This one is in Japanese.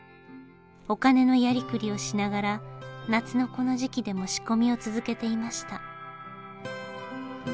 お金のやりくりをしながら夏のこの時期でも仕込みを続けていました。